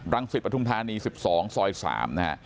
รังศิษย์ประทุมธานี๑๒ซอย๓นะฮะ